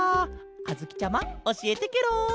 あづきちゃまおしえてケロ！